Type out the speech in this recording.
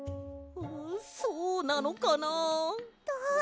そうなのかな？